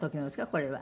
これは。